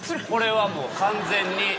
これはもう完全に。